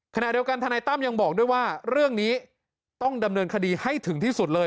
ขณะเดียวกันทนายตั้มยังบอกด้วยว่าเรื่องนี้ต้องดำเนินคดีให้ถึงที่สุดเลย